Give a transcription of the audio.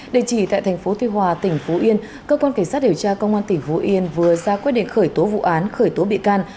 địa chỉ tại tp tuy hòa tỉnh phú yên cơ quan cảnh sát điều tra công an tỉnh phú yên vừa ra quyết định khởi tố vụ án khởi tố bị can